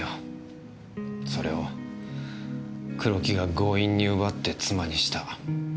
それを黒木が強引に奪って妻にした。